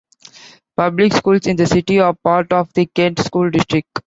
Public schools in the city are part of the Kent School District.